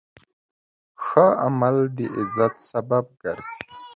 ښه عمل د عزت سبب ګرځي.